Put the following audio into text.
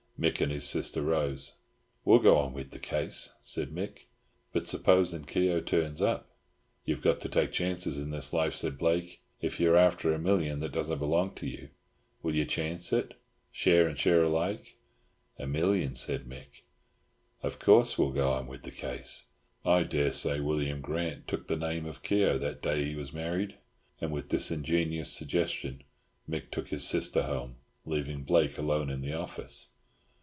Mick and his sister rose. "We'll go on wid the case," said Mick. "But supposin' Keogh turns up—" "You've got to take chances in this life," said Blake, "if you're after a million that doesn't belong to you. Will you chance it? Share and share alike?" "A million," said Mick. "Of course we'll go on wid the case. I daresay William Grant took the name of Keogh that day he was married," and with this ingenious suggestion Mick took his sister home, leaving Blake alone in the office.